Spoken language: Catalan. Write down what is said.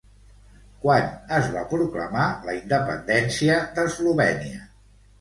Quan es va proclamar la independència d'Eslovènia?